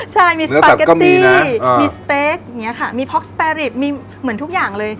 ใช่มีสปาเกตตี้มีสเต๊กมีพ็อกสแปรริตมีเหมือนทุกอย่างเลย